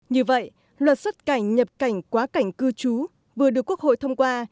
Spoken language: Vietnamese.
như vậy luật xuất cảnh nhập cảnh quá cảnh cư trú vừa được quốc hội thông qua